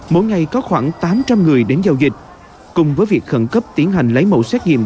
mỗi ngày có khoảng tám trăm linh người đến giao dịch cùng với việc khẩn cấp tiến hành lấy mẫu xét nghiệm